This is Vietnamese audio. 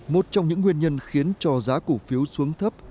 một trong những nguyên nhân khiến cho giá cổ phiếu xuống thấp